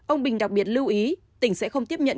ông bình đặc biệt lưu ý tỉnh sẽ không tiếp nhận